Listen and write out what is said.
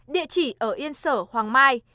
địa chỉ ở yên sở hoàng mai